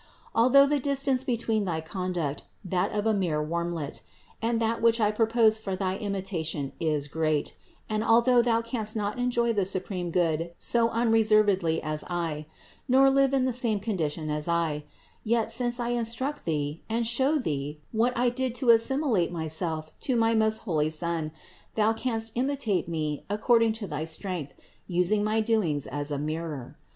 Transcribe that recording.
Although the distance between thy conduct, that of a mere wormlet, and that which I propose for thy imitation is great, and although thou canst not enjoy the supreme Good so unreservedly as I, nor live in the same condition as I ; yet, since I instruct thee and show thee what I did to assimilate myself to my most holy Son, thou canst imitate me according to thy strength using my doings as a mirror.